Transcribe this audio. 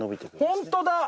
ホントだ！